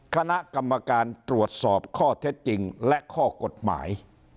คณะกรรมการตรวจสอบข้อเท็จจริงและข้อกฎหมาย